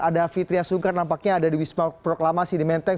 ada fitriah sungkar nampaknya ada di wisma proklamasi di menteng